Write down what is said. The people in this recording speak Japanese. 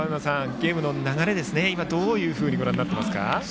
ゲームの流れ、今どういうふうにご覧になっていますか？